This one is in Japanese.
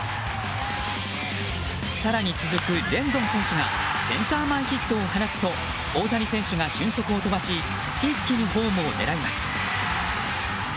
更に続くレンドン選手がセンター前ヒットを放つと大谷選手が俊足を飛ばし一気にホームを狙います。